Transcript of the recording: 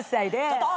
ちょっと！